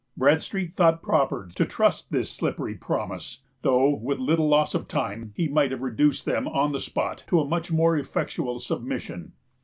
Bradstreet thought proper to trust this slippery promise; though, with little loss of time, he might have reduced them, on the spot, to a much more effectual submission.